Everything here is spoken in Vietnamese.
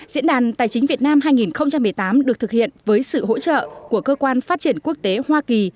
diễn đàn tài chính việt nam hai nghìn một mươi tám được thực hiện với sự hỗ trợ của cơ quan phát triển quốc tế hoa kỳ